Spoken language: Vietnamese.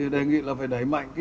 đề nghị là phải đẩy mạnh